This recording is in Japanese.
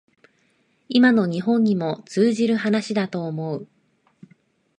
今の日本にも通じる話だと思う